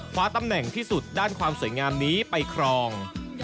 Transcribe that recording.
คว้าตำแหน่งที่สุดด้านความสวยงามนี้ไปครอง